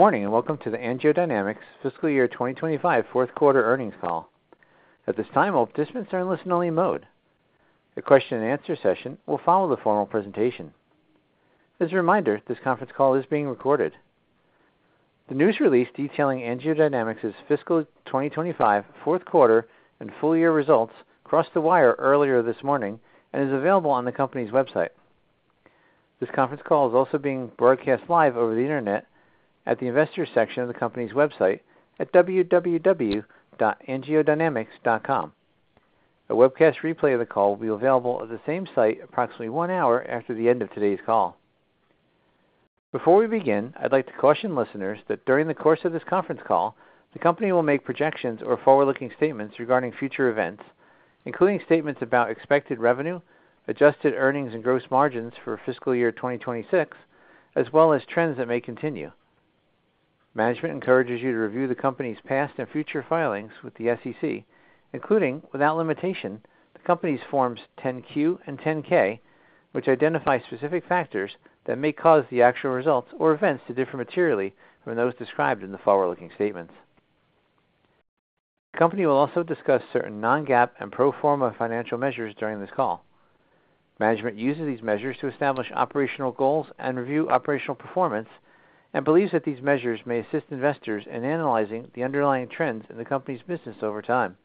Good morning and welcome to the AngioDynamics fiscal year 2025 fourth quarter earnings call. At this time, all participants are in listen-only mode. A question-and-answer session will follow the formal presentation. As a reminder, this conference call is being recorded. The news release detailing AngioDynamics' fiscal 2025 fourth quarter and full-year results crossed the wire earlier this morning and is available on the company's website. This conference call is also being broadcast live over the internet at the investors section of the company's website at www.angiodynamics.com. A webcast replay of the call will be available at the same site approximately one hour after the end of today's call. Before we begin, I'd like to caution listeners that during the course of this conference call, the company will make projections or forward-looking statements regarding future events, including statements about expected revenue, adjusted earnings, and gross margins for fiscal year 2026, as well as trends that may continue. Management encourages you to review the company's past and future filings with the SEC, including, without limitation, the company's forms 10-Q and 10-K, which identify specific factors that may cause the actual results or events to differ materially from those described in the forward-looking statements. The company will also discuss certain non-GAAP and pro forma financial measures during this call. Management uses these measures to establish operational goals and review operational performance and believes that these measures may assist investors in analyzing the underlying trends in the company's business over time.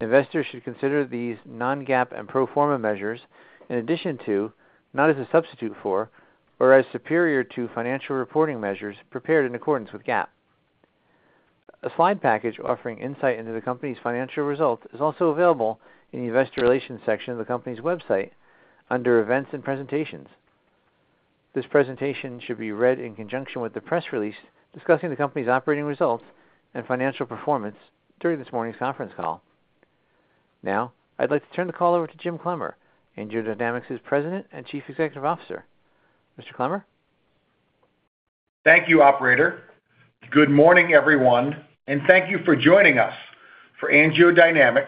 Investors should consider these non-GAAP and pro forma measures in addition to, not as a substitute for, or as superior to financial reporting measures prepared in accordance with GAAP. A slide package offering insight into the company's financial results is also available in the investor relations section of the company's website under events and presentations. This presentation should be read in conjunction with the press release discussing the company's operating results and financial performance during this morning's conference call. Now, I'd like to turn the call over to Jim Clemmer, AngioDynamics' President and Chief Executive Officer. Mr. Clemmer? Thank you, operator. Good morning, everyone, and thank you for joining us for AngioDynamics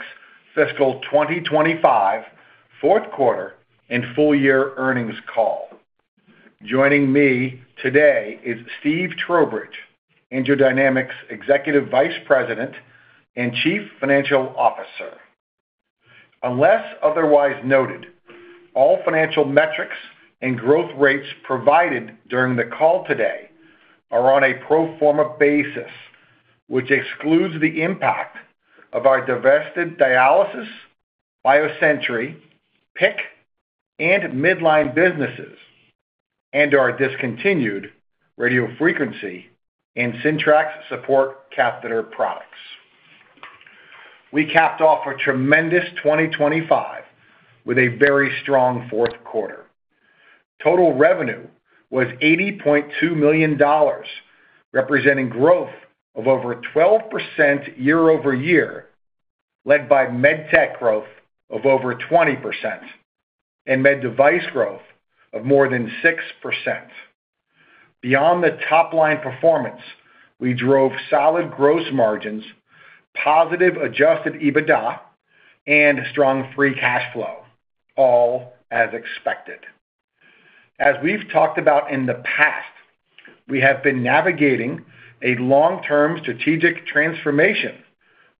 fiscal 2025 fourth quarter and full-year earnings call. Joining me today is Steve Trowbridge, AngioDynamics Executive Vice President and Chief Financial Officer. Unless otherwise noted, all financial metrics and growth rates provided during the call today are on a pro forma basis, which excludes the impact of our divested dialysis, BioSentry, PICC, and midline businesses, and our discontinued radiofrequency and Sintrax support catheter products. We capped off a tremendous 2025 with a very strong fourth quarter. Total revenue was $80.2 million, representing growth of over 12% year-over-year, led by MedTech growth of over 20% and med device growth of more than 6%. Beyond the top-line performance, we drove solid gross margins, positive adjusted EBITDA, and strong free cash flow, all as expected. As we've talked about in the past, we have been navigating a long-term strategic transformation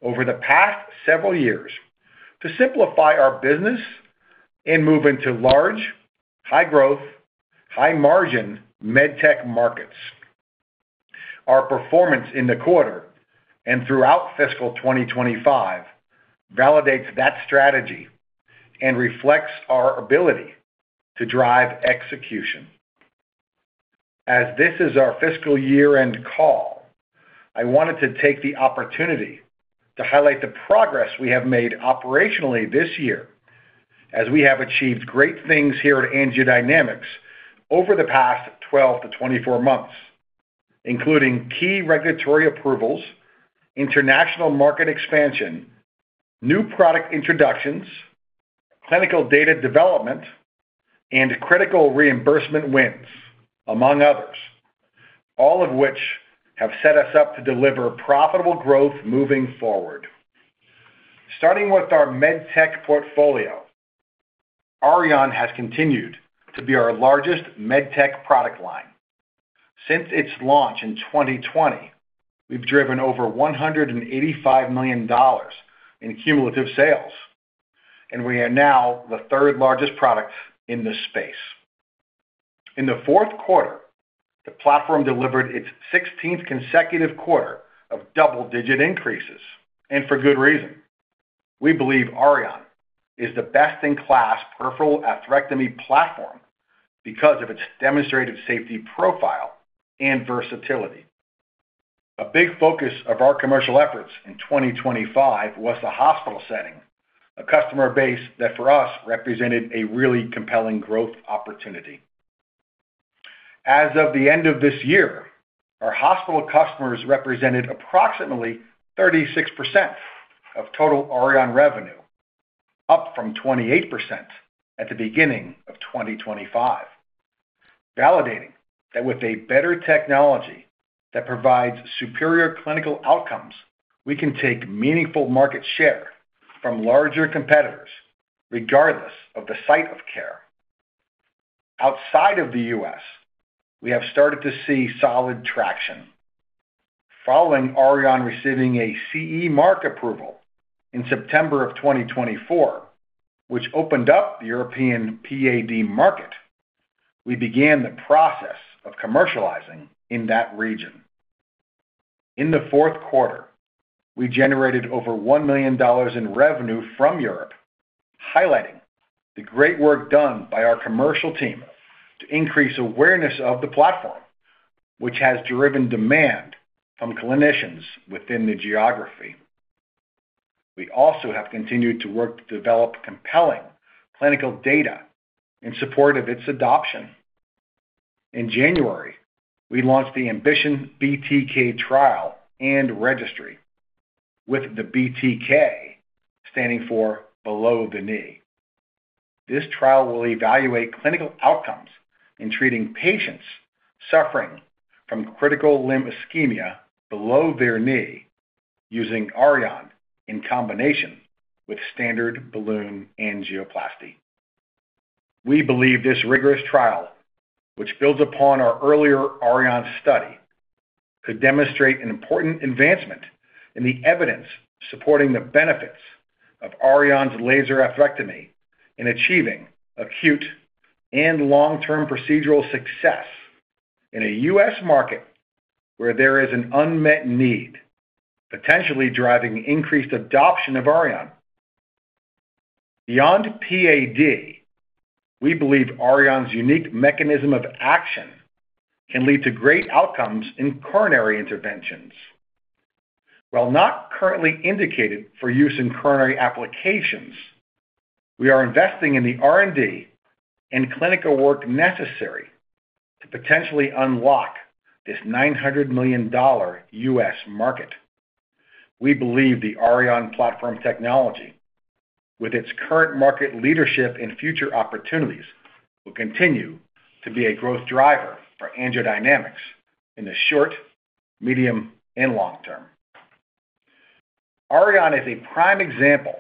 over the past several years to simplify our business and move into large, high-growth, high-margin MedTech markets. Our performance in the quarter and throughout fiscal 2025 validates that strategy and reflects our ability to drive execution. As this is our fiscal year-end call, I wanted to take the opportunity to highlight the progress we have made operationally this year, as we have achieved great things here at AngioDynamics over the past 12 months-24 months, including key regulatory approvals, international market expansion, new product introductions, clinical data development, and critical reimbursement wins, among others, all of which have set us up to deliver profitable growth moving forward. Starting with our MedTech portfolio, Auryon has continued to be our largest MedTech product line. Since its launch in 2020, we've driven over $185 million in cumulative sales, and we are now the third-largest product in this space. In the fourth quarter, the platform delivered its 16th consecutive quarter of double-digit increases, and for good reason. We believe Auryon is the best-in-class peripheral atherectomy platform because of its demonstrated safety profile and versatility. A big focus of our commercial efforts in 2025 was the hospital setting, a customer base that for us represented a really compelling growth opportunity. As of the end of this year, our hospital customers represented approximately 36% of total Auryon revenue, up from 28% at the beginning of 2025, validating that with a better technology that provides superior clinical outcomes, we can take meaningful market share from larger competitors regardless of the site of care. Outside of the U.S., we have started to see solid traction. Following Auryon receiving a CE mark approval in September of 2024, which opened up the European PAD market, we began the process of commercializing in that region. In the fourth quarter, we generated over $1 million in revenue from Europe, highlighting the great work done by our commercial team to increase awareness of the platform, which has driven demand from clinicians within the geography. We also have continued to work to develop compelling clinical data in support of its adoption. In January, we launched the AMBITION BTK trial and registry with the BTK standing for below the knee. This trial will evaluate clinical outcomes in treating patients suffering from critical limb ischemia below their knee using Auryon in combination with standard balloon angioplasty. We believe this rigorous trial, which builds upon our earlier Auryon study, could demonstrate an important advancement in the evidence supporting the benefits of Auryon's laser atherectomy in achieving acute and long-term procedural success in a U.S. market where there is an unmet need, potentially driving increased adoption of Auryon. Beyond PAD, we believe Auryon's unique mechanism of action can lead to great outcomes in coronary interventions. While not currently indicated for use in coronary applications, we are investing in the R&D and clinical work necessary to potentially unlock this $900 million U.S. market. We believe the Auryon platform technology, with its current market leadership and future opportunities, will continue to be a growth driver for AngioDynamics in the short, medium, and long term. Auryon is a prime example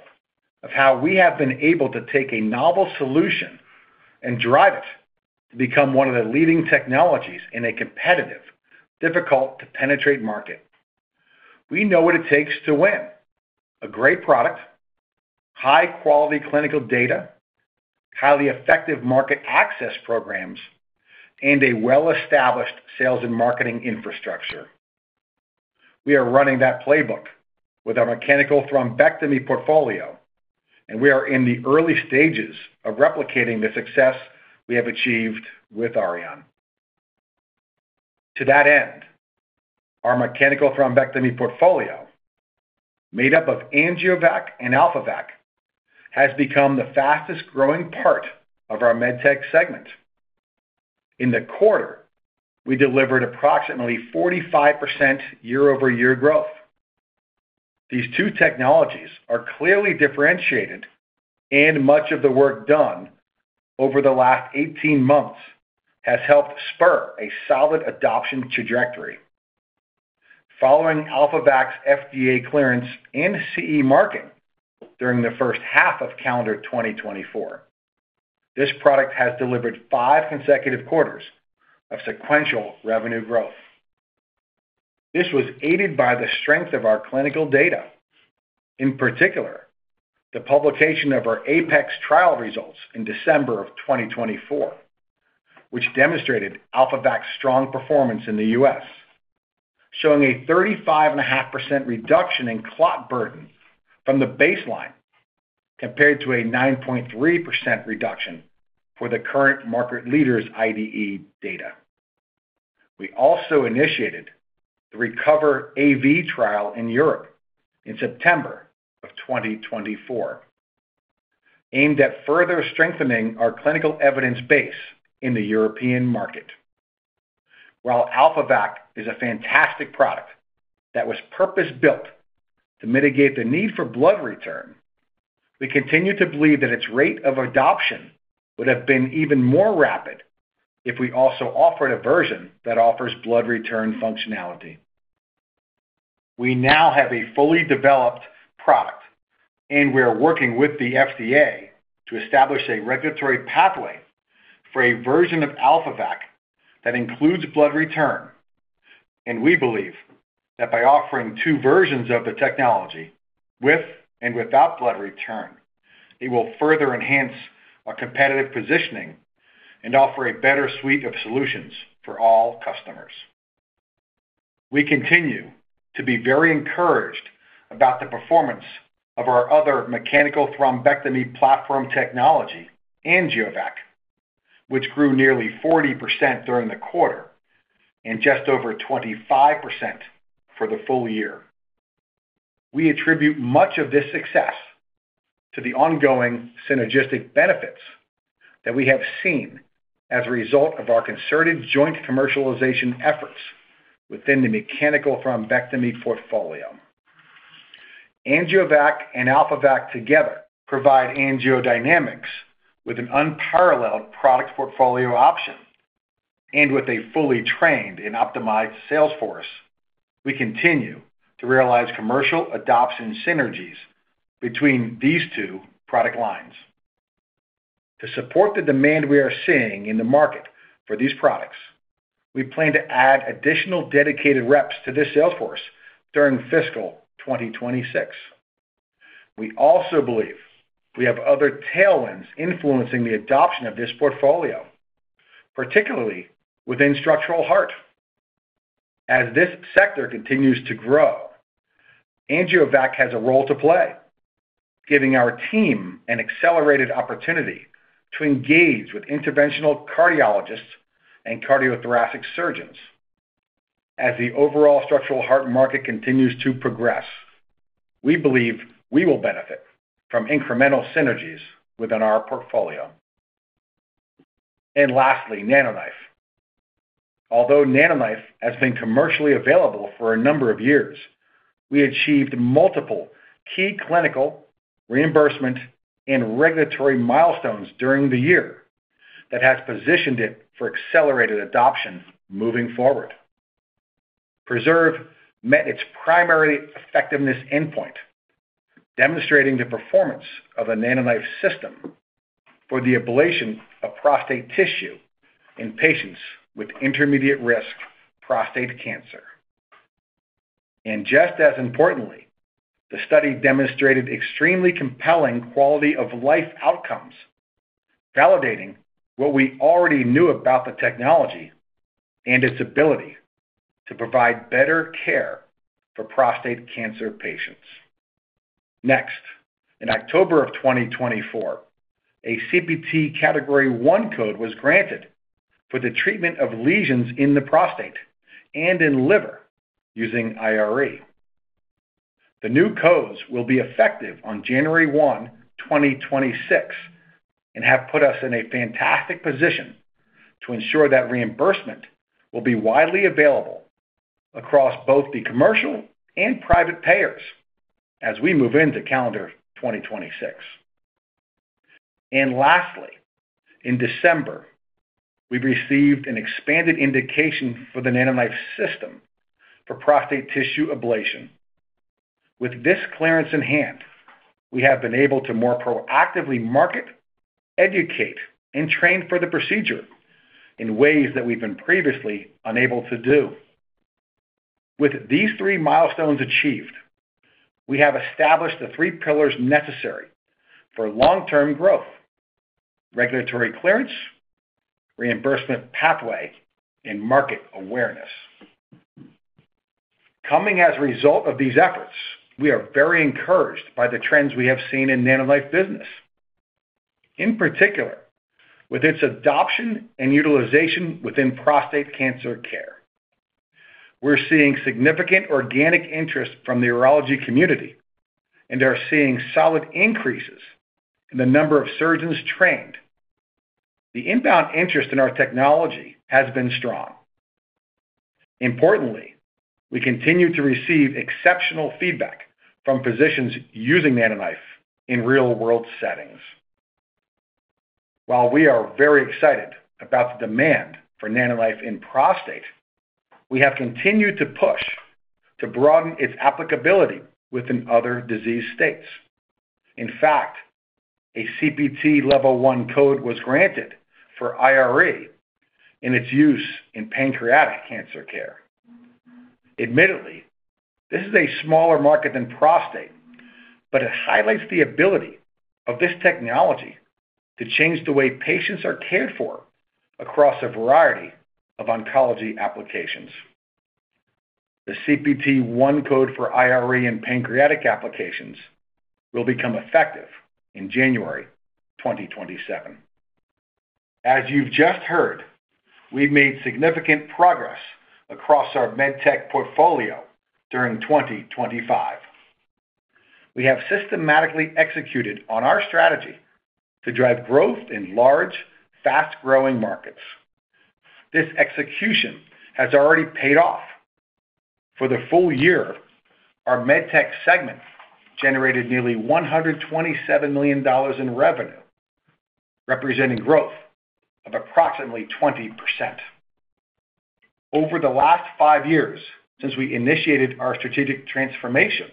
of how we have been able to take a novel solution and drive it to become one of the leading technologies in a competitive, difficult-to-penetrate market. We know what it takes to win: a great product, high-quality clinical data, highly effective market access programs, and a well-established sales and marketing infrastructure. We are running that playbook with our mechanical thrombectomy portfolio, and we are in the early stages of replicating the success we have achieved with Auryon. To that end, our mechanical thrombectomy portfolio, made up of AngioVac and AlphaVac, has become the fastest-growing part of our MedTech segment. In the quarter, we delivered approximately 45% year-over-year growth. These two technologies are clearly differentiated, and much of the work done over the last 18 months has helped spur a solid adoption trajectory. Following AlphaVac's FDA clearance and CE mark during the first half of calendar 2024, this product has delivered five consecutive quarters of sequential revenue growth. This was aided by the strength of our clinical data, in particular the publication of our ApEx trial results in December of 2024, which demonstrated AlphaVac's strong performance in the U.S., showing a 35.5% reduction in clot burden from the baseline compared to a 9.3% reduction for the current market leader's IDE data. We also initiated the RECOVER-AV trial in Europe in September of 2024, aimed at further strengthening our clinical evidence base in the European market. While AlphaVac is a fantastic product that was purpose-built to mitigate the need for blood return, we continue to believe that its rate of adoption would have been even more rapid if we also offered a version that offers blood return functionality. We now have a fully developed product, and we are working with the FDA to establish a regulatory pathway for a version of AlphaVac that includes blood return. We believe that by offering two versions of the technology, with and without blood return, it will further enhance our competitive positioning and offer a better suite of solutions for all customers. We continue to be very encouraged about the performance of our other mechanical thrombectomy platform technology, AngioVac, which grew nearly 40% during the quarter and just over 25% for the full year. We attribute much of this success to the ongoing synergistic benefits that we have seen as a result of our concerted joint commercialization efforts within the mechanical thrombectomy portfolio. AngioVac and AlphaVac together provide AngioDynamics with an unparalleled product portfolio option, and with a fully trained and optimized sales force, we continue to realize commercial adoption synergies between these two product lines. To support the demand we are seeing in the market for these products, we plan to add additional dedicated reps to this sales force during fiscal 2026. We also believe we have other tailwinds influencing the adoption of this portfolio, particularly within structural heart. As this sector continues to grow, AngioVac has a role to play, giving our team an accelerated opportunity to engage with interventional cardiologists and cardiothoracic surgeons. As the overall structural heart market continues to progress, we believe we will benefit from incremental synergies within our portfolio. Lastly, NanoKnife. Although NanoKnife has been commercially available for a number of years, we achieved multiple key clinical reimbursement and regulatory milestones during the year that have positioned it for accelerated adoption moving forward. PRESERVE met its primary effectiveness endpoint, demonstrating the performance of the NanoKnife system for the ablation of prostate tissue in patients with intermediate-risk prostate cancer. Just as importantly, the study demonstrated extremely compelling quality-of-life outcomes, validating what we already knew about the technology and its ability to provide better care for prostate cancer patients. Next, in October of 2024, a CPT Category I code was granted for the treatment of lesions in the prostate and in the liver using irreversible electroporation. The new codes will be effective on January 1, 2026, and have put us in a fantastic position to ensure that reimbursement will be widely available across both the commercial and private payers as we move into calendar 2026. Lastly, in December, we received an expanded indication for the NanoKnife system for prostate tissue ablation. With this clearance in hand, we have been able to more proactively market, educate, and train for the procedure in ways that we've been previously unable to do. With these three milestones achieved, we have established the three pillars necessary for long-term growth: regulatory clearance, reimbursement pathway, and market awareness. As a result of these efforts, we are very encouraged by the trends we have seen in NanoKnife business, in particular with its adoption and utilization within prostate cancer care. We're seeing significant organic interest from the urology community and are seeing solid increases in the number of surgeons trained. The inbound interest in our technology has been strong. Importantly, we continue to receive exceptional feedback from physicians using NanoKnife in real-world settings. While we are very excited about the demand for NanoKnife in prostate, we have continued to push to broaden its applicability within other disease states. In fact, a CPT Category I code was granted for irreversible electroporation in its use in pancreatic cancer care. Admittedly, this is a smaller market than prostate, but it highlights the ability of this technology to change the way patients are cared for across a variety of oncology applications. The CPT Category I code for irreversible electroporation in pancreatic applications will become effective in January 2027. As you've just heard, we've made significant progress across our MedTech portfolio during 2025. We have systematically executed on our strategy to drive growth in large, fast-growing markets. This execution has already paid off. For the full year, our MedTech segment generated nearly $127 million in revenue, representing growth of approximately 20%. Over the last five years since we initiated our strategic transformation,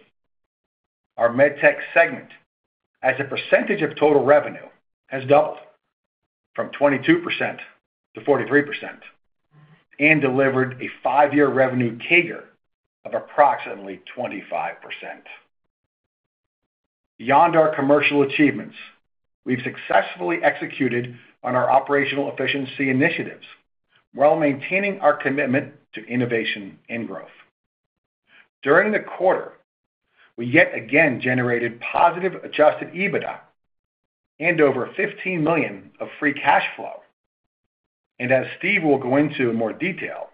our MedTech segment, as a percentage of total revenue, has doubled from 22% to 43% and delivered a five-year revenue CAGR of approximately 25%. Beyond our commercial achievements, we've successfully executed on our operational efficiency initiatives while maintaining our commitment to innovation and growth. During the quarter, we yet again generated positive adjusted EBITDA and over $15 million of free cash flow. As Steve will go into more detail,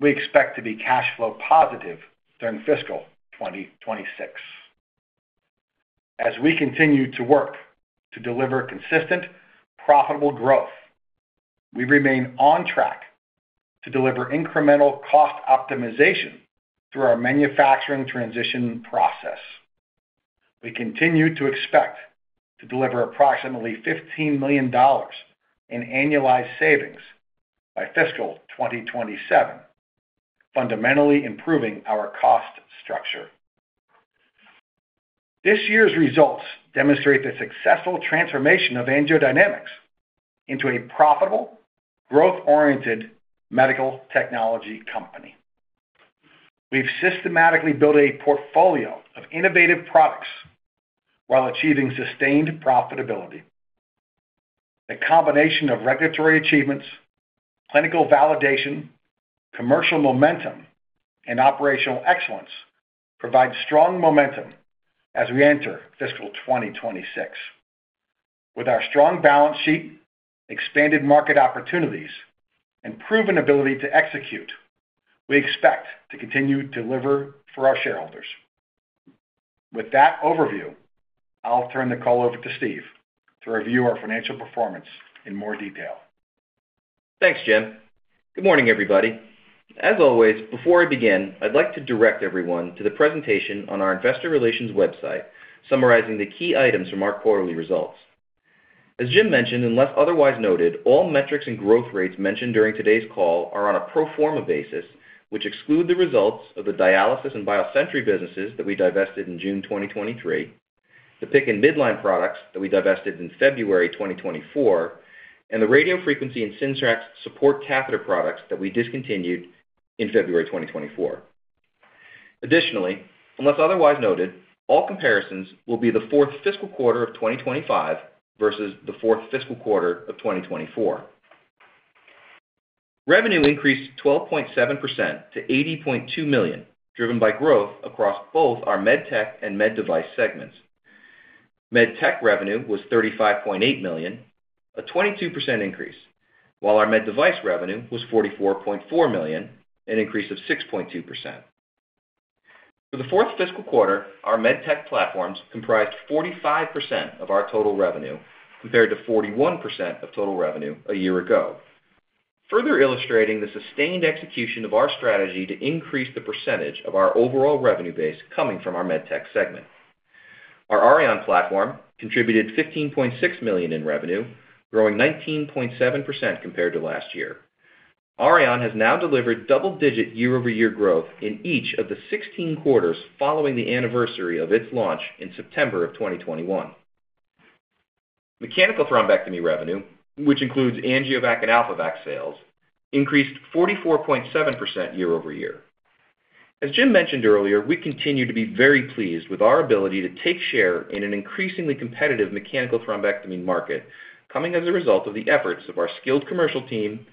we expect to be cash flow positive during fiscal 2026. As we continue to work to deliver consistent, profitable growth, we remain on track to deliver incremental cost optimization through our manufacturing transition process. We continue to expect to deliver approximately $15 million in annualized savings by fiscal 2027, fundamentally improving our cost structure. This year's results demonstrate the successful transformation of AngioDynamics into a profitable, growth-oriented medical technology company. We've systematically built a portfolio of innovative products while achieving sustained profitability. The combination of regulatory achievements, clinical validation, commercial momentum, and operational excellence provides strong momentum as we enter fiscal 2026. With our strong balance sheet, expanded market opportunities, and proven ability to execute, we expect to continue to deliver for our shareholders. With that overview, I'll turn the call over to Steve to review our financial performance in more detail. Thanks, Jim. Good morning, everybody. As always, before I begin, I'd like to direct everyone to the presentation on our investor relations website summarizing the key items from our quarterly results. As Jim mentioned, unless otherwise noted, all metrics and growth rates mentioned during today's call are on a pro forma basis, which exclude the results of the dialysis and BioSentry businesses that we divested in June 2023, the PIC and midline products that we divested in February 2024, and the radiofrequency and Sintrax support catheter products that we discontinued in February 2024. Additionally, unless otherwise noted, all comparisons will be the fourth fiscal quarter of 2025 versus the fourth fiscal quarter of 2024. Revenue increased 12.7% to $80.2 million, driven by growth across both our MedTech and Med Device segments. MedTech revenue was $35.8 million, a 22% increase, while our med device revenue was $44.4 million, an increase of 6.2%. For the fourth fiscal quarter, our MedTech platforms comprised 45% of our total revenue compared to 41% of total revenue a year ago, further illustrating the sustained execution of our strategy to increase the percentage of our overall revenue base coming from our MedTech segment. Our Auryon platform contributed $15.6 million in revenue, growing 19.7% compared to last year. Auryon has now delivered double-digit year-over-year growth in each of the 16 quarters following the anniversary of its launch in September of 2021. Mechanical thrombectomy revenue, which includes AngioVac and AlphaVac sales, increased 44.7% year-over-year. As Jim mentioned earlier, we continue to be very pleased with our ability to take share in an increasingly competitive mechanical thrombectomy market, coming as a result of the efforts of our skilled commercial team,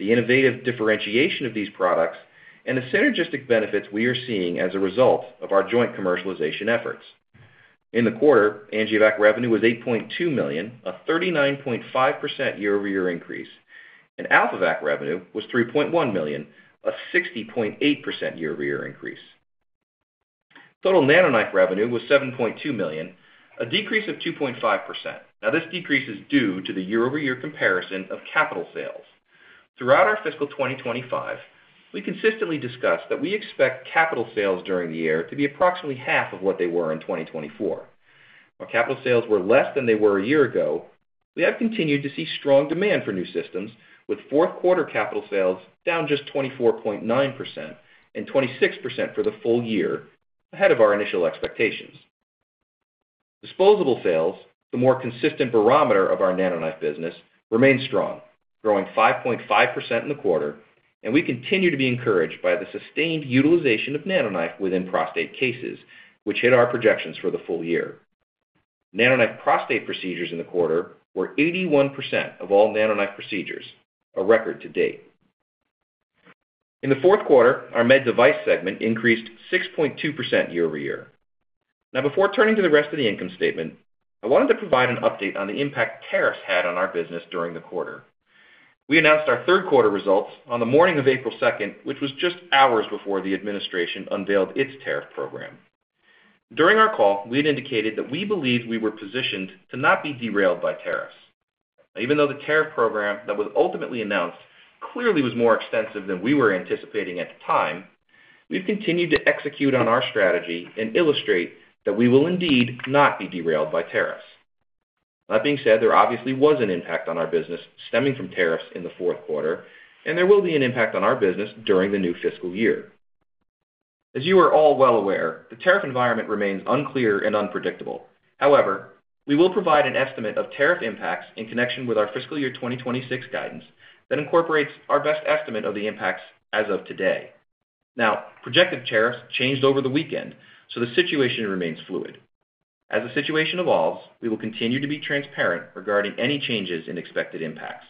the innovative differentiation of these products, and the synergistic benefits we are seeing as a result of our joint commercialization efforts. In the quarter, AngioVac revenue was $8.2 million, a 39.5% year-over-year increase, and AlphaVac revenue was $3.1 million, a 60.8% year-over-year increase. Total NanoKnife revenue was $7.2 million, a decrease of 2.5%. This decrease is due to the year-over-year comparison of capital sales. Throughout our fiscal 2025, we consistently discussed that we expect capital sales during the year to be approximately half of what they were in 2024. While capital sales were less than they were a year ago, we have continued to see strong demand for new systems, with fourth quarter capital sales down just 24.9% and 26% for the full year ahead of our initial expectations. Disposable sales, the more consistent barometer of our NanoKnife business, remain strong, growing 5.5% in the quarter, and we continue to be encouraged by the sustained utilization of NanoKnife within prostate cases, which hit our projections for the full year. NanoKnife prostate procedures in the quarter were 81% of all NanoKnife procedures, a record to date. In the fourth quarter, our med device segment increased 6.2% year-over-year. Now, before turning to the rest of the income statement, I wanted to provide an update on the impact tariffs had on our business during the quarter. We announced our third quarter results on the morning of April 2nd, which was just hours before the administration unveiled its tariff program. During our call, we had indicated that we believed we were positioned to not be derailed by tariffs. Even though the tariff program that was ultimately announced clearly was more extensive than we were anticipating at the time, we've continued to execute on our strategy and illustrate that we will indeed not be derailed by tariffs. That being said, there obviously was an impact on our business stemming from tariffs in the fourth quarter, and there will be an impact on our business during the new fiscal year. As you are all well aware, the tariff environment remains unclear and unpredictable. However, we will provide an estimate of tariff impacts in connection with our fiscal year 2026 guidance that incorporates our best estimate of the impacts as of today. Now, projected tariffs changed over the weekend, so the situation remains fluid. As the situation evolves, we will continue to be transparent regarding any changes in expected impacts.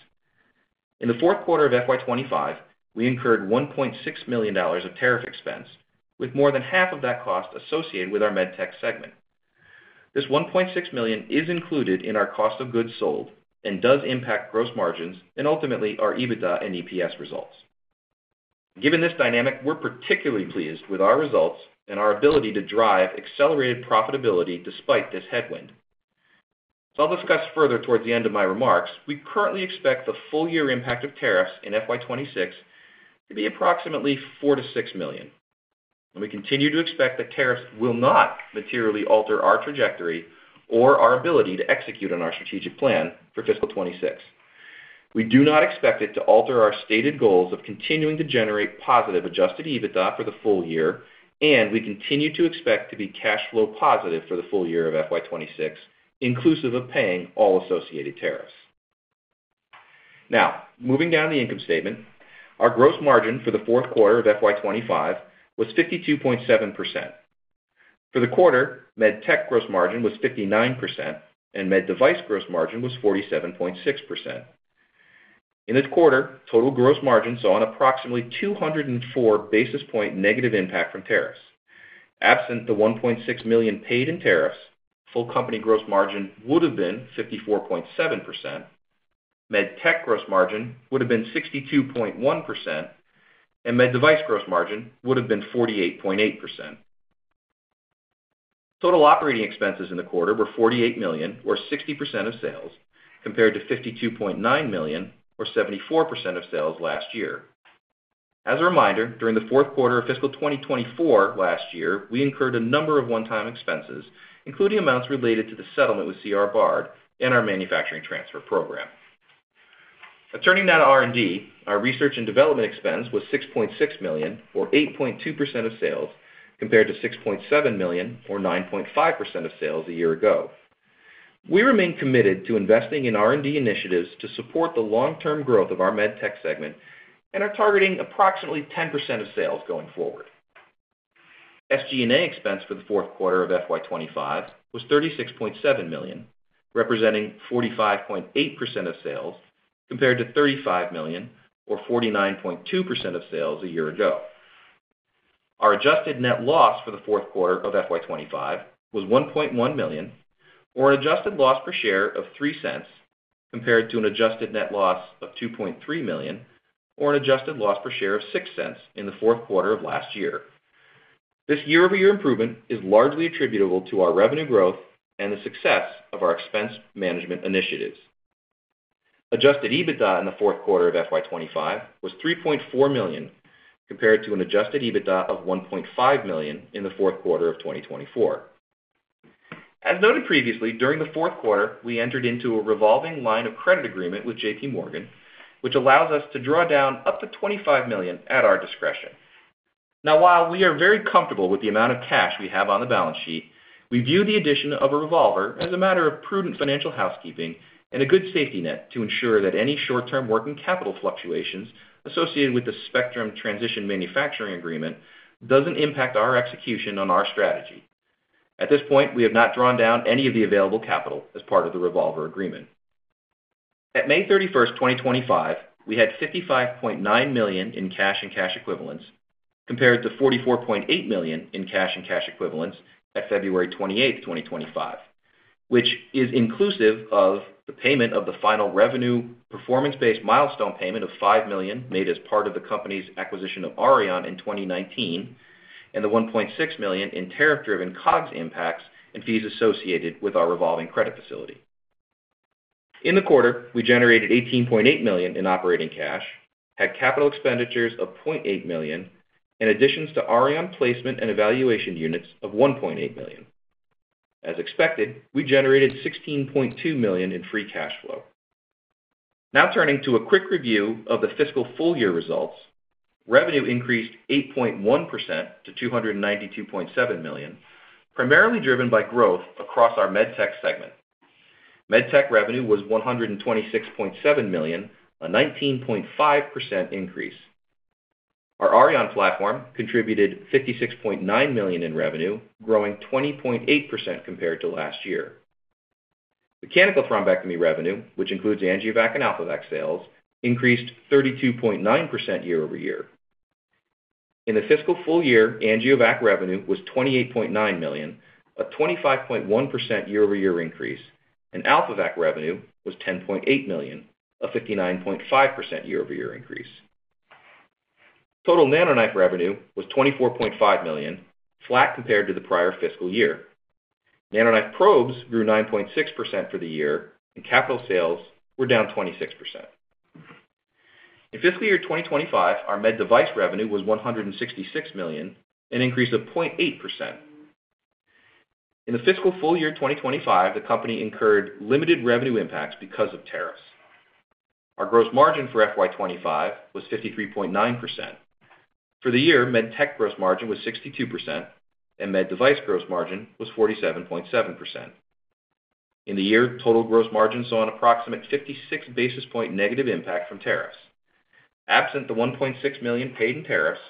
In the fourth quarter of FY 2025, we incurred $1.6 million of tariff expense, with more than half of that cost associated with our MedTech segment. This $1.6 million is included in our cost of goods sold and does impact gross margins and ultimately our EBITDA and EPS results. Given this dynamic, we're particularly pleased with our results and our ability to drive accelerated profitability despite this headwind. As I'll discuss further towards the end of my remarks, we currently expect the full-year impact of tariffs in FY 2026 to be approximately $4 million-$6 million. We continue to expect that tariffs will not materially alter our trajectory or our ability to execute on our strategic plan for fiscal 2026. We do not expect it to alter our stated goals of continuing to generate positive adjusted EBITDA for the full year, and we continue to expect to be cash flow positive for the full year of FY 2026, inclusive of paying all associated tariffs. Now, moving down to the income statement, our gross margin for the fourth quarter of FY 2025 was 52.7%. For the quarter, MedTech gross margin was 59%, and med device gross margin was 47.6%. In this quarter, total gross margin saw an approximately 204 basis point negative impact from tariffs. Absent the $1.6 million paid in tariffs, full company gross margin would have been 54.7%, MedTech gross margin would have been 62.1%, and med device gross margin would have been 48.8%. Total operating expenses in the quarter were $48 million, or 60% of sales, compared to $52.9 million, or 74% of sales last year. As a reminder, during the fourth quarter of fiscal 2024 last year, we incurred a number of one-time expenses, including amounts related to the settlement with C.R. Bard and our manufacturing transfer program. Turning to R&D, our research and development expense was $6.6 million, or 8.2% of sales, compared to $6.7 million, or 9.5% of sales a year ago. We remain committed to investing in R&D initiatives to support the long-term growth of our MedTech segment and are targeting approximately 10% of sales going forward. SG&A expense for the fourth quarter of FY 2025 was $36.7 million, representing 45.8% of sales, compared to $35 million, or 49.2% of sales a year ago. Our adjusted net loss for the fourth quarter of FY 2025 was $1.1 million, or an adjusted loss per share of $0.03, compared to an adjusted net loss of $2.3 million, or an adjusted loss per share of $0.06 in the fourth quarter of last year. This year-over-year improvement is largely attributable to our revenue growth and the success of our expense management initiatives. Adjusted EBITDA in the fourth quarter of FY 2025 was $3.4 million, compared to an adjusted EBITDA of $1.5 million in the fourth quarter of 2024. As noted previously, during the fourth quarter, we entered into a revolving credit facility agreement with JPMorgan, which allows us to draw down up to $25 million at our discretion. Now, while we are very comfortable with the amount of cash we have on the balance sheet, we view the addition of a revolver as a matter of prudent financial housekeeping and a good safety net to ensure that any short-term working capital fluctuations associated with the Spectrum Transition Manufacturing Agreement don't impact our execution on our strategy. At this point, we have not drawn down any of the available capital as part of the revolver agreement. At May 31st, 2025, we had $55.9 million in cash and cash equivalents compared to $44.8 million in cash and cash equivalents at February 28, 2025, which is inclusive of the payment of the final revenue performance-based milestone payment of $5 million made as part of the company's acquisition of Auryon in 2019, and the $1.6 million in tariff-driven COGS impacts and fees associated with our revolving credit facility. In the quarter, we generated $18.8 million in operating cash, had capital expenditures of $0.8 million, and additions to Auryon placement and evaluation units of $1.8 million. As expected, we generated $16.2 million in free cash flow. Now turning to a quick review of the fiscal full-year results, revenue increased 8.1% to $292.7 million, primarily driven by growth across our MedTech segment. MedTech revenue was $126.7 million, a 19.5% increase. Our Auryon platform contributed $56.9 million in revenue, growing 20.8% compared to last year. Mechanical thrombectomy revenue, which includes AngioVac and AlphaVac sales, increased 32.9% year-over-year. In the fiscal full year, AngioVac revenue was $28.9 million, a 25.1% year-over-year increase, and AlphaVac revenue was $10.8 million, a 59.5% year-over-year increase. Total NanoKnife revenue was $24.5 million, flat compared to the prior fiscal year. NanoKnife probes grew 9.6% for the year, and capital sales were down 26%. In fiscal year 2025, our med device revenue was $166 million, an increase of 0.8%. In the fiscal full year 2025, the company incurred limited revenue impacts because of tariffs. Our gross margin for FY 2025 was 53.9%. For the year, MedTech gross margin was 62%, and med device gross margin was 47.7%. In the year, total gross margin saw an approximate 56 basis point negative impact from tariffs. Absent the $1.6 million paid in tariffs,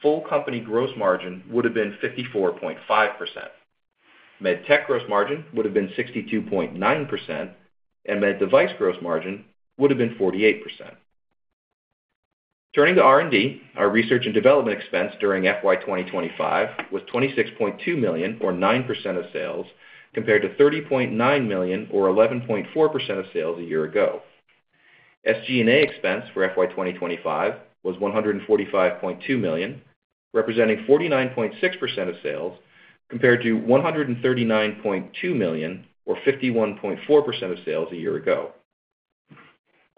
full company gross margin would have been 54.5%. MedTech gross margin would have been 62.9%, and med device gross margin would have been 48%. Turning to R&D, our research and development expense during FY 2025 was $26.2 million, or 9% of sales, compared to $30.9 million, or 11.4% of sales a year ago. SG&A expense for FY 2025 was $145.2 million, representing 49.6% of sales, compared to $139.2 million, or 51.4% of sales a year ago.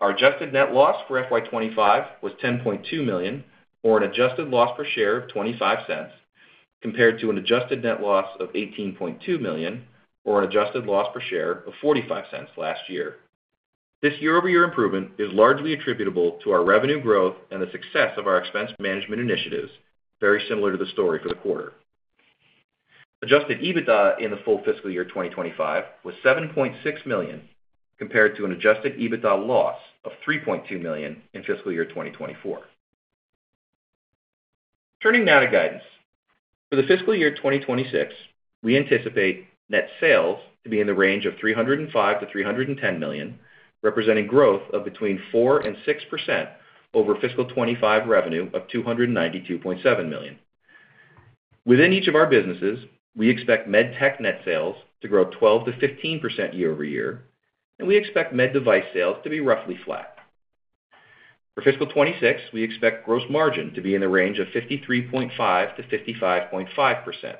Our adjusted net loss for FY 2025 was $10.2 million, or an adjusted loss per share of $0.25, compared to an adjusted net loss of $18.2 million, or an adjusted loss per share of $0.45 last year. This year-over-year improvement is largely attributable to our revenue growth and the success of our expense management initiatives, very similar to the story for the quarter. Adjusted EBITDA in the full fiscal year 2025 was $7.6 million, compared to an adjusted EBITDA loss of $3.2 million in fiscal year 2024. Turning now to guidance. For the fiscal year 2026, we anticipate net sales to be in the range of $305 million-$310 million, representing growth of between 4% and 6% over fiscal 2025 revenue of $292.7 million. Within each of our businesses, we expect MedTech net sales to grow 12%-15% year-over-year, and we expect med device sales to be roughly flat. For fiscal 2026, we expect gross margin to be in the range of 53.5%-55.5%.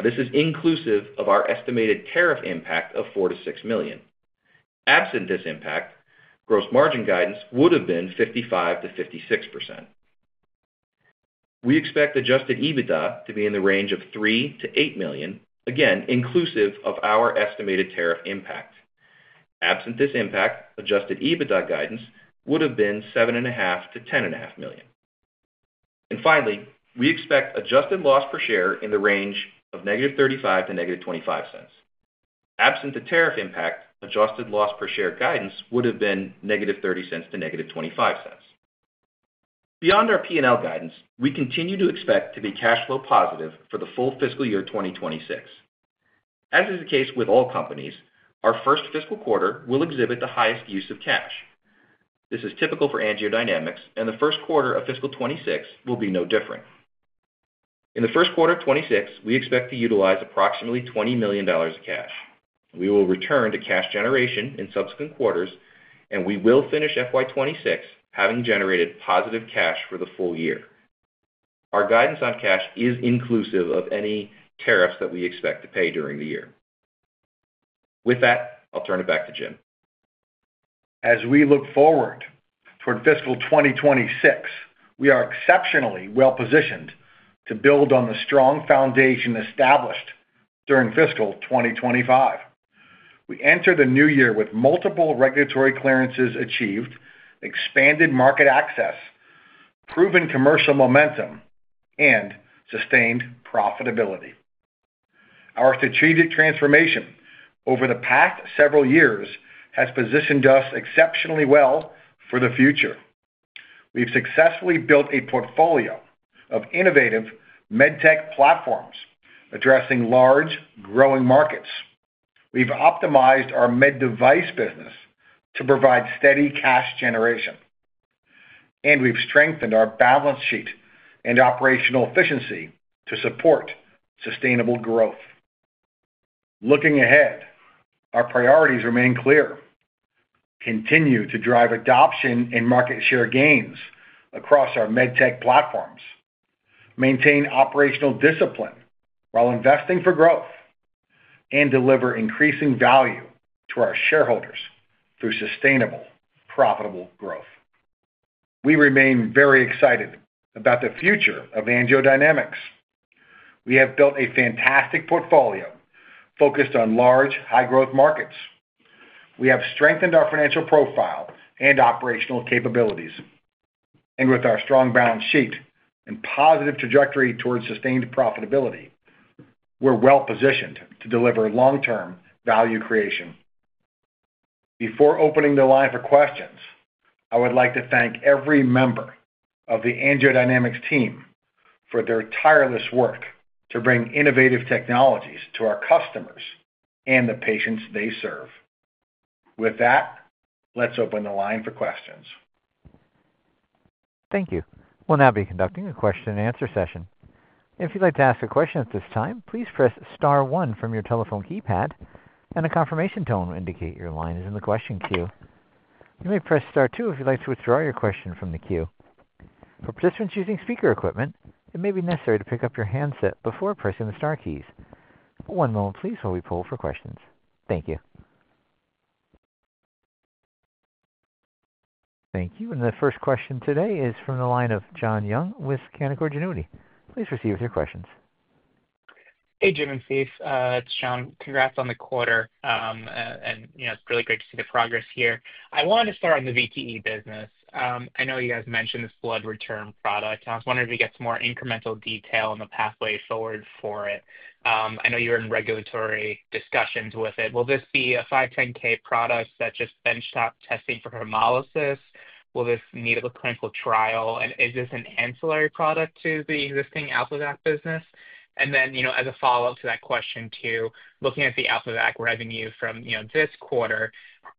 This is inclusive of our estimated tariff impact of $4 to $6 million. Absent this impact, gross margin guidance would have been 55%-56%. We expect adjusted EBITDA to be in the range of $3 million-$8 million, again inclusive of our estimated tariff impact. Absent this impact, adjusted EBITDA guidance would have been $7.5 million-$10.5 million. Finally, we expect adjusted loss per share in the range of -0.35 to -0.25. Absent the tariff impact, adjusted loss per share guidance would have been -0.30 to -0.25. Beyond our P&L guidance, we continue to expect to be cash flow positive for the full fiscal year 2026. As is the case with all companies, our first fiscal quarter will exhibit the highest use of cash. This is typical for AngioDynamics, and the first quarter of fiscal 2026 will be no different. In the first quarter of 2026, we expect to utilize approximately $20 million of cash. We will return to cash generation in subsequent quarters, and we will finish FY 2026 having generated positive cash for the full year. Our guidance on cash is inclusive of any tariffs that we expect to pay during the year. With that, I'll turn it back to Jim. As we look forward toward fiscal 2026, we are exceptionally well-positioned to build on the strong foundation established during fiscal 2025. We enter the new year with multiple regulatory clearances achieved, expanded market access, proven commercial momentum, and sustained profitability. Our strategic transformation over the past several years has positioned us exceptionally well for the future. We've successfully built a portfolio of innovative MedTech platforms addressing large, growing markets. We've optimized our med device business to provide steady cash generation, and we've strengthened our balance sheet and operational efficiency to support sustainable growth. Looking ahead, our priorities remain clear: continue to drive adoption and market share gains across our MedTech platforms, maintain operational discipline while investing for growth, and deliver increasing value to our shareholders through sustainable, profitable growth. We remain very excited about the future of AngioDynamics. We have built a fantastic portfolio focused on large, high-growth markets. We have strengthened our financial profile and operational capabilities. With our strong balance sheet and positive trajectory towards sustained profitability, we're well-positioned to deliver long-term value creation. Before opening the line for questions, I would like to thank every member of the AngioDynamics team for their tireless work to bring innovative technologies to our customers and the patients they serve. With that, let's open the line for questions. Thank you. We'll now be conducting a question and answer session. If you'd like to ask a question at this time, please press star one from your telephone keypad, and a confirmation tone will indicate your line is in the question queue. You may press star two if you'd like to withdraw your question from the queue. For participants using speaker equipment, it may be necessary to pick up your handset before pressing the star keys. One moment, please, while we pull for questions. Thank you. Thank you. The first question today is from the line of Jon Young with Canaccord Genuity. Please proceed with your questions. Hey, Jim and Steve. It's Jon. Congrats on the quarter. It's really great to see the progress here. I wanted to start on the VTE business. I know you guys mentioned this blood return product. I was wondering if you could get some more incremental detail on the pathway forward for it. I know you were in regulatory discussions with it. Will this be a 510(k) product that is just benchtop testing for hemolysis? Will this need a clinical trial? Is this an ancillary product to the existing AlphaVac business? As a follow-up to that question too, looking at the AlphaVac revenue from this quarter,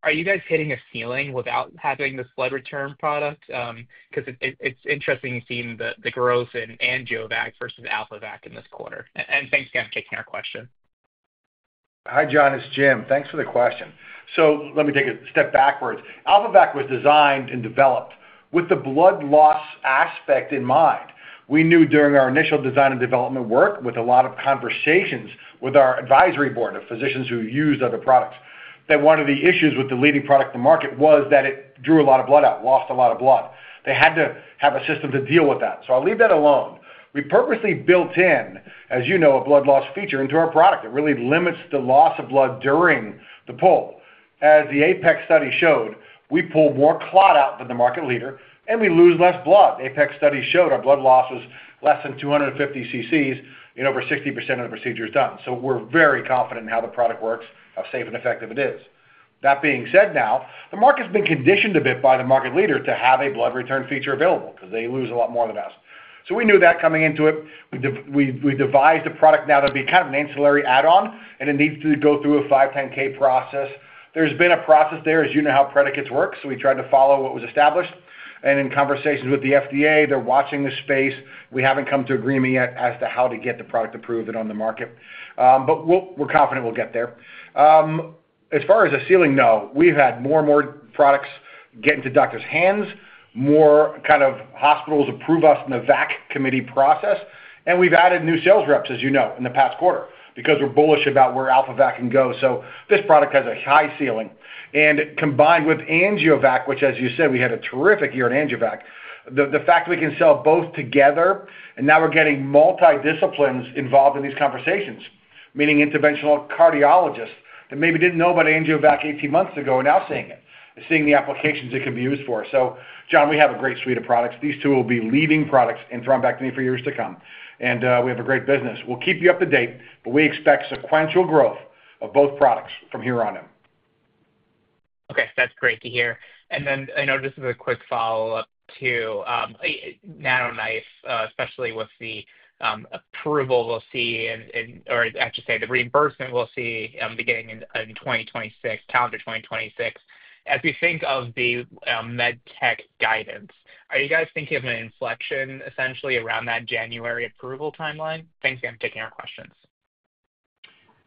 are you guys hitting a ceiling without having this blood return product? It's interesting seeing the growth in AngioVac versus AlphaVac in this quarter. Thanks again for taking our question. Hi, John. It's Jim. Thanks for the question. Let me take a step backwards. AlphaVac was designed and developed with the blood loss aspect in mind. We knew during our initial design and development work, with a lot of conversations with our advisory board of physicians who used other products, that one of the issues with the leading product in the market was that it drew a lot of blood out, lost a lot of blood. They had to have a system to deal with that. I'll leave that alone. We purposely built in, as you know, a blood loss feature into our product. It really limits the loss of blood during the pull. As the ApEx trial showed, we pull more clot out than the market leader, and we lose less blood. ApEx trial showed our blood loss was less than 250 cc in over 60% of the procedures done. We're very confident in how the product works, how safe and effective it is. That being said, now the market's been conditioned a bit by the market leader to have a blood return feature available because they lose a lot more than us. We knew that coming into it. We devised a product now to be kind of an ancillary add-on, and it needs to go through a 510(k) process. There's been a process there, as you know how predicates work. We tried to follow what was established. In conversations with the FDA, they're watching the space. We haven't come to an agreement yet as to how to get the product approved and on the market. We're confident we'll get there. As far as a ceiling, no. We've had more and more products get into doctors' hands, more kind of hospitals approve us in the VAC committee process. We've added new sales reps, as you know, in the past quarter because we're bullish about where AlphaVac can go. This product has a high ceiling. Combined with AngioVac, which, as you said, we had a terrific year in AngioVac, the fact that we can sell both together, and now we're getting multi-disciplines involved in these conversations, meaning interventional cardiologists that maybe didn't know about AngioVac 18 months ago are now seeing it, seeing the applications it can be used for. John, we have a great suite of products. These two will be leading products in thrombectomy for years to come. We have a great business. We'll keep you up to date, but we expect sequential growth of both products from here on in. Okay. That's great to hear. I know this is a quick follow-up too. NanoKnife, especially with the approval we'll see, or I should say the reimbursement we'll see beginning in 2026, calendar 2026, as we think of the MedTech guidance, are you guys thinking of an inflection essentially around that January approval timeline? Thanks again for taking our questions.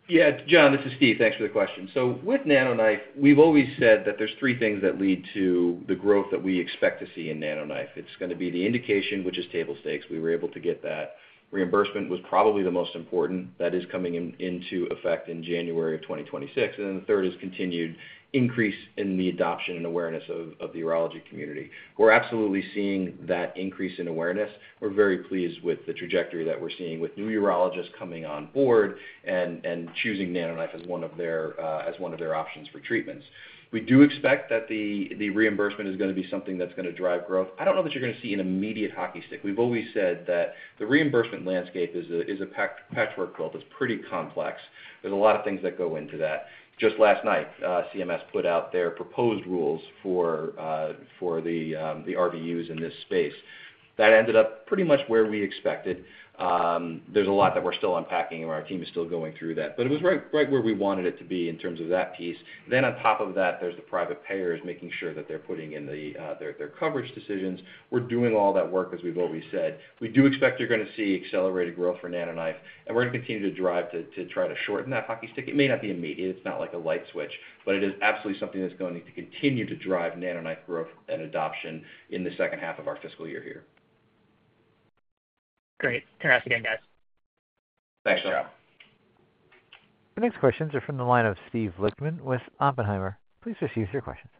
Yeah. John, this is Steve. Thanks for the question. With NanoKnife, we've always said that there's three things that lead to the growth that we expect to see in NanoKnife. It's going to be the indication, which is table stakes. We were able to get that. Reimbursement was probably the most important that is coming into effect in January of 2026. The third is continued increase in the adoption and awareness of the urology community. We're absolutely seeing that increase in awareness. We're very pleased with the trajectory that we're seeing with new urologists coming on board and choosing NanoKnife as one of their options for treatments. We do expect that the reimbursement is going to be something that's going to drive growth. I don't know that you're going to see an immediate hockey stick. We've always said that the reimbursement landscape is a patchwork quilt. It's pretty complex. There's a lot of things that go into that. Just last night, CMS put out their proposed rules for the RVUs in this space. That ended up pretty much where we expected. There's a lot that we're still unpacking, and our team is still going through that. It was right where we wanted it to be in terms of that piece. On top of that, there's the private payers making sure that they're putting in their coverage decisions. We're doing all that work, as we've always said. We do expect you're going to see accelerated growth for NanoKnife, and we're going to continue to drive to try to shorten that hockey stick. It may not be immediate. It's not like a light switch, but it is absolutely something that's going to continue to drive NanoKnife growth and adoption in the second half of our fiscal year here. Great. Congrats again, guys. Thanks, John. Ciao. The next questions are from the line of Steve Lichtman with Oppenheimer. Please proceed with your questions.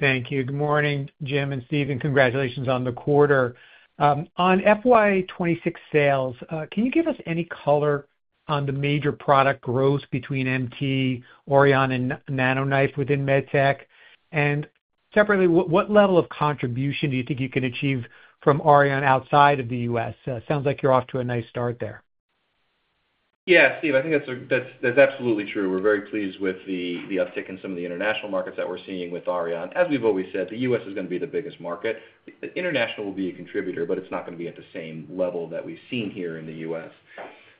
Thank you. Good morning, Jim and Steve, and congratulations on the quarter. On FY 2026 sales, can you give us any color on the major product growth between MT, Auryon, and NanoKnife within MedTech? Separately, what level of contribution do you think you can achieve from Auryon outside of the U.S.? It sounds like you're off to a nice start there. Yeah, Steve, I think that's absolutely true. We're very pleased with the uptick in some of the international markets that we're seeing with Auryon. As we've always said, the United States is going to be the biggest market. International will be a contributor, but it's not going to be at the same level that we've seen here in the United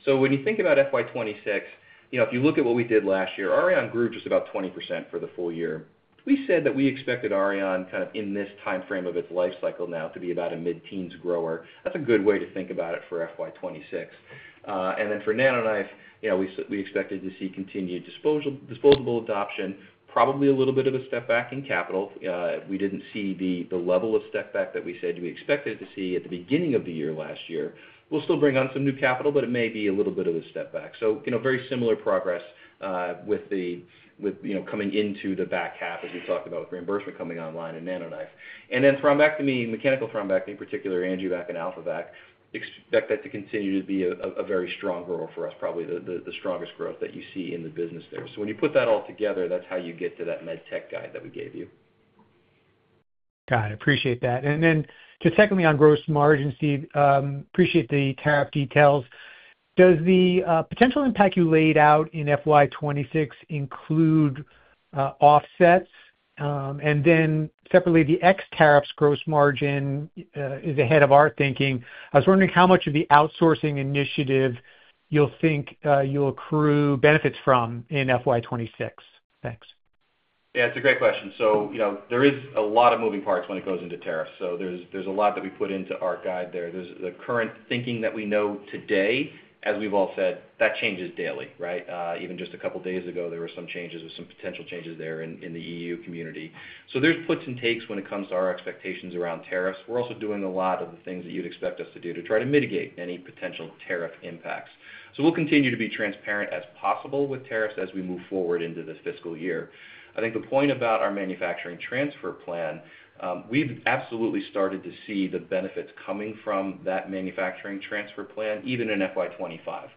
States. When you think about FY 2026, if you look at what we did last year, Auryon grew just about 20% for the full year. We said that we expected Auryon kind of in this timeframe of its lifecycle now to be about a mid-teens grower. That's a good way to think about it for FY 2026. For NanoKnife, we expected to see continued disposable adoption, probably a little bit of a step back in capital. We didn't see the level of step back that we said we expected to see at the beginning of the year last year. We'll still bring on some new capital, but it may be a little bit of a step back. Very similar progress, with the coming into the back half, as we talked about with reimbursement coming online in NanoKnife. In thrombectomy, mechanical thrombectomy, particularly AngioVac and AlphaVac, expect that to continue to be a very strong growth for us, probably the strongest growth that you see in the business there. When you put that all together, that's how you get to that MedTech guide that we gave you. Got it. Appreciate that. On gross margins, Steve, appreciate the tariff details. Does the potential impact you laid out in FY 2026 include offsets? Separately, the ex-tariffs gross margin is ahead of our thinking. I was wondering how much of the outsourcing initiative you'll think you'll accrue benefits from in FY 2026. Thanks. Yeah, it's a great question. There is a lot of moving parts when it goes into tariffs. There's a lot that we put into our guide there. There's the current thinking that we know today, as we've all said, that changes daily, right? Even just a couple of days ago, there were some changes with some potential changes there in the EU community. There's puts and takes when it comes to our expectations around tariffs. We're also doing a lot of the things that you'd expect us to do to try to mitigate any potential tariff impacts. We'll continue to be as transparent as possible with tariffs as we move forward into the fiscal year. I think the point about our manufacturing transfer plan, we've absolutely started to see the benefits coming from that manufacturing transfer plan, even in FY 2025.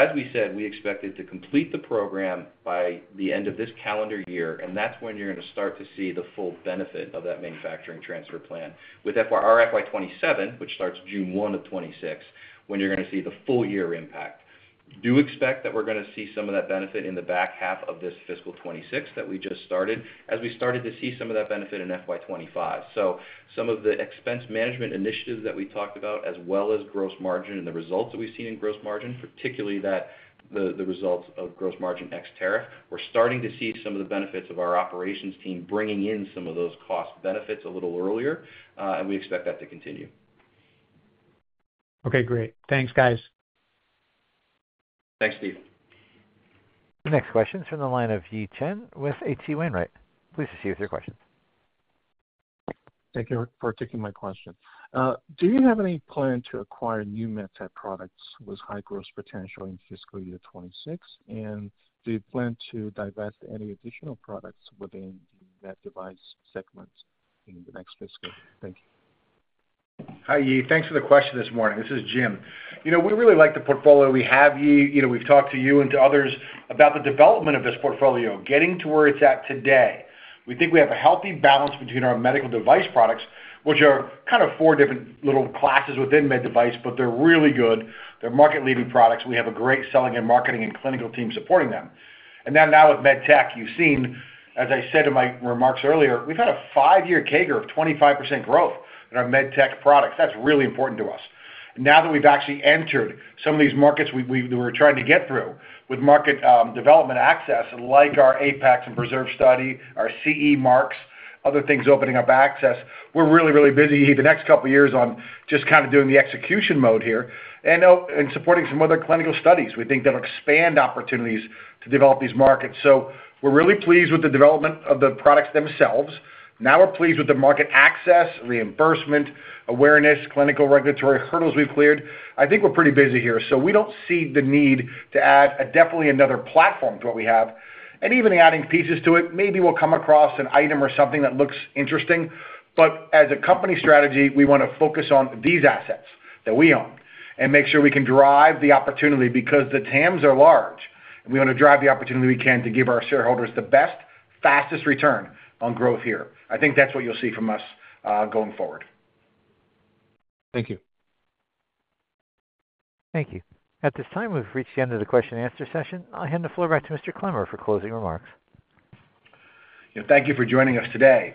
As we said, we expected to complete the program by the end of this calendar year, and that's when you're going to start to see the full benefit of that manufacturing transfer plan. With our FY 2027, which starts June 1, 2026, that's when you're going to see the full-year impact. Do expect that we're going to see some of that benefit in the back half of this fiscal 2026 that we just started, as we started to see some of that benefit in FY 2025. Some of the expense management initiatives that we talked about, as well as gross margin and the results that we've seen in gross margin, particularly the results of gross margin ex-tariff, we're starting to see some of the benefits of our operations team bringing in some of those cost benefits a little earlier, and we expect that to continue. Okay, great. Thanks, guys. Thanks, Steve. Next question is from the line of Yi Chen with H.C. Wainwright. Please proceed with your questions. Thank you for taking my question. Do you have any plan to acquire new MedTech products with high growth potential in fiscal year 2026? Do you plan to divest any additional products within the med device segment in the next fiscal? Thank you. Hi, Yi. Thanks for the question this morning. This is Jim. You know, we really like the portfolio we have, Yi. We've talked to you and to others about the development of this portfolio, getting to where it's at today. We think we have a healthy balance between our medical device products, which are kind of four different little classes within med device, but they're really good. They're market-leading products. We have a great selling and marketing and clinical team supporting them. Now with MedTech, you've seen, as I said in my remarks earlier, we've had a five-year CAGR of 25% growth in our MedTech products. That's really important to us. Now that we've actually entered some of these markets that we were trying to get through with market development access, like our ApEx and PRESERVE study, our CE marks, other things opening up access, we're really, really busy the next couple of years on just kind of doing the execution mode here and supporting some other clinical studies we think that'll expand opportunities to develop these markets. We're really pleased with the development of the products themselves. Now we're pleased with the market access, reimbursement, awareness, clinical regulatory hurdles we've cleared. I think we're pretty busy here. We don't see the need to add definitely another platform to what we have. Even adding pieces to it, maybe we'll come across an item or something that looks interesting. As a company strategy, we want to focus on these assets that we own and make sure we can drive the opportunity because the TAMs are large. We want to drive the opportunity we can to give our shareholders the best, fastest return on growth here. I think that's what you'll see from us going forward. Thank you. Thank you. At this time, we've reached the end of the question-and-answer session. I'll hand the floor back to Mr. Clemmer for closing remarks. Thank you for joining us today.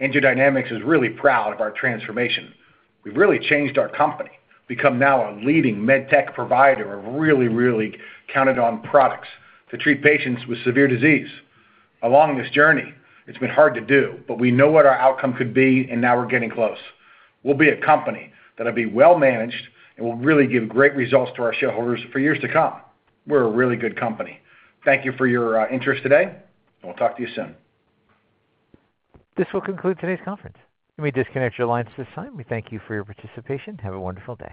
AngioDynamics is really proud of our transformation. We've really changed our company. We've become now a leading MedTech provider of really, really counted-on products to treat patients with severe disease. Along this journey, it's been hard to do, but we know what our outcome could be, and now we're getting close. We'll be a company that'll be well managed and will really give great results to our shareholders for years to come. We're a really good company. Thank you for your interest today, and we'll talk to you soon. This will conclude today's conference. Let me disconnect your lines at this time. We thank you for your participation. Have a wonderful day.